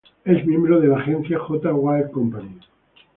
Es miembro de la agencia "J,Wide-Company".